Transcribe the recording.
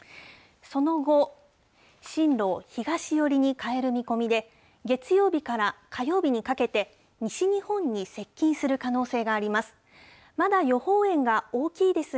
その後、進路を東寄りに変える見込みで、月曜日から火曜日にかけて、西日本に接近する可能性があります。